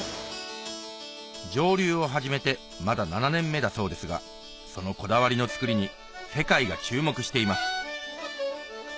蒸留を始めてまだ７年目だそうですがそのこだわりの造りに世界が注目しています